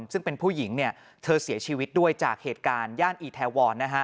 ซึ่งเป็นผู้หญิงเธอเสียชีวิตด้วยจากเหตุการณ์ย่านอีแทวร